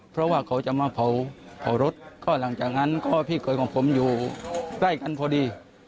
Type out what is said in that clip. เพราะว่าเขาจะมาเผารถก็หลังจากนั้นก็พี่เคยของผมอยู่ใกล้กันพอดี